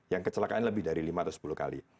yang kecelakaan lebih dari lima atau sepuluh kali